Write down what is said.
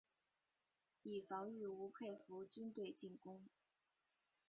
以防御吴佩孚军队进攻。